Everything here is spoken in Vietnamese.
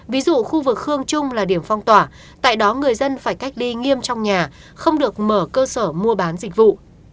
ví dụ khu vực khương trung là điểm phong tỏa tại đó người dân phải cách ly nghiêm trong nhà không được mở cơ sở mua bán dịch vụ